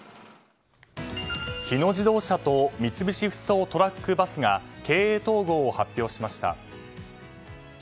日野自動車と三菱ふそうトラック・バスが経営統合を発表しました。